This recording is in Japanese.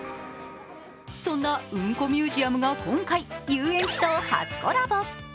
そんな、うんこミュージアムが今回遊園地と初コラボ。